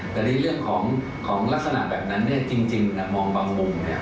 แต่ในเรื่องของลักษณะแบบนั้นจริงมองบางมุม